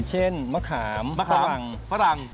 เช่นมะขามฝรั่งฝรั่งฝรั่ง